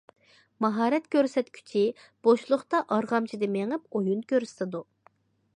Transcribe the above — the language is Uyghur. ماھارەت كۆرسەتكۈچى بوشلۇقتا ئارغامچىدا مېڭىپ ئويۇن كۆرسىتىدۇ.